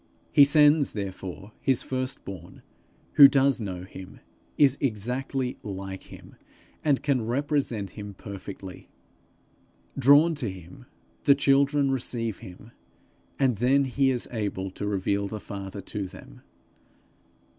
He sends therefore his first born, who does know him, is exactly like him, and can represent him perfectly. Drawn to him, the children receive him, and then he is able to reveal the Father to them.